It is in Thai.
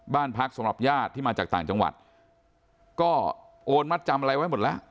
บ้านพักสำหรับญาติที่มาจากต่างจังหวัดก็โอนมัดจำอะไรไว้หมดแล้ว